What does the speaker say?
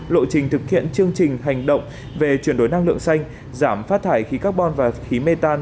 lộ trình thực hiện chương trình hành động về chuyển đổi năng lượng xanh giảm phát thải khí carbon và khí mê tan